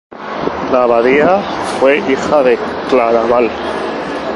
La abadía fue hija de Claraval.